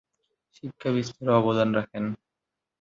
শিক্ষা বিস্তারে অবদান রাখেন।